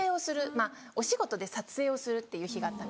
お仕事で撮影をするっていう日があったんですよ。